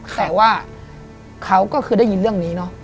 แต่ว่าเขาก็คือได้ยินเรื่องนี้เนอะ